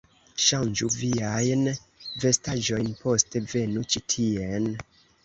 Ŝanĝu viajn vestaĵojn, poste venu ĉi tien